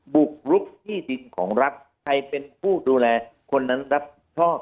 บุกรุกที่ดินของรัฐใครเป็นผู้ดูแลคนนั้นรับชอบ